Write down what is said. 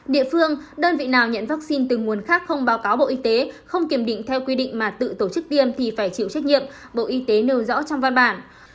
địa phương đơn vị nào nhận vaccine từ nguồn khác không báo cáo bộ y tế không kiểm định theo quy định mà tự tổ chức tiêm thì phải chịu trách nhiệm bộ y tế nêu rõ trong văn bản